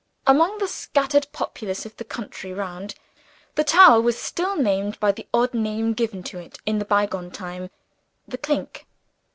Among the scattered populace of the country round, the tower was still known by the odd name given to it in the bygone time "The Clink."